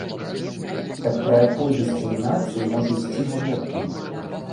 Так пра якую дыскрымінацыі можа ісці гаворка?